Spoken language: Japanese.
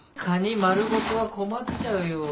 カニ丸ごとは困っちゃうよ。